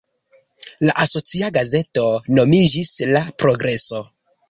La asocia gazeto nomiĝis "La Progreso".